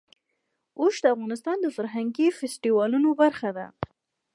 اوښ د افغانستان د فرهنګي فستیوالونو برخه ده.